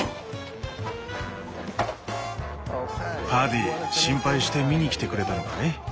パディ心配して見に来てくれたのかい？